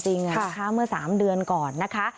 ค่ะช้าเมื่อ๓เดือนก่อนนะคะ